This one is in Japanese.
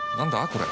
これ。